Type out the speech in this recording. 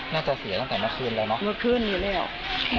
น่าจะเสียตั้งแต่เมื่องานเลยเหรอ